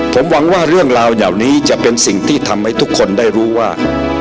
ผมหวังว่าเรื่องราวเหล่านี้จะเป็นสิ่งที่ทำให้ทุกคนได้รู้ว่า